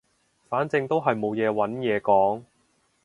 反正都係冇嘢揾嘢講